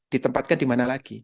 ditempatkan dimana lagi